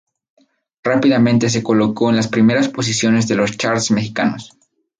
Rápidamente se colocó en las primeras posiciones de los charts mexicanos.